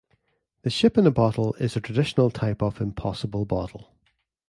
The ship in a bottle is a traditional type of impossible bottle.